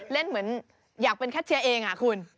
เล่นเหมือนอยากเป็นแคทเชียร์เองคุณ